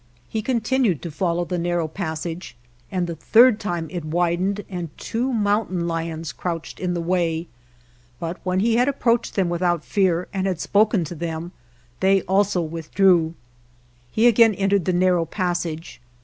He continued to follow the nar row passage, and the third time it widened and two mountain lions crouched in the way, 209 GERONIMO but when he had approached them without fear and had spoken to them they also with drew. He again entered the narrow pas sage.